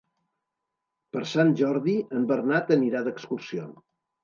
Per Sant Jordi en Bernat anirà d'excursió.